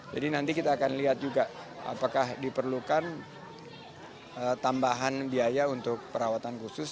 jadi nanti kita akan lihat juga apakah diperlukan tambahan biaya untuk perawatan khusus